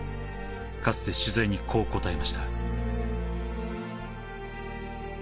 かつて取材にこう答えました。